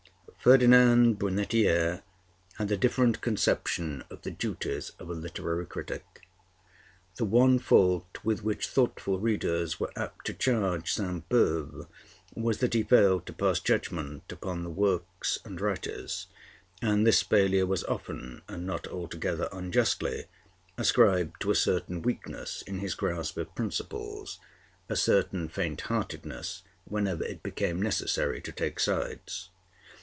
Ferdinand Brunetière had a different conception of the duties of a literary critic. The one fault with which thoughtful readers were apt to charge Sainte Beuve was, that he failed to pass judgment upon the works and writers; and this failure was often, and not altogether unjustly, ascribed to a certain weakness in his grasp of principles, a certain faint heartedness whenever it became necessary to take sides.